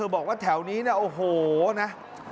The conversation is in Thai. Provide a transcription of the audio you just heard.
บอกว่าแถวนี้เนี่ยโอ้โหนะ